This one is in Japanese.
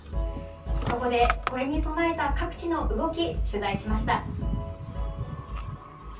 そこでこれに備えた各地の動きを取材しました。